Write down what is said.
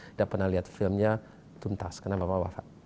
saya pernah lihat filmnya tumtas karena bapak wafat